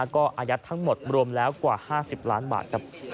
ก็อายัดทั้งหมดรวมแล้วกว่า๕๐ล้านบาท